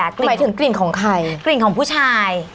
หมายถึงกลิ่นของใครกลิ่นของผู้ชาย